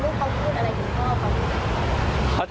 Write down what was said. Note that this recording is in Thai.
แต่ว่าลูกเขาพูดอะไรถึงพ่อเธอ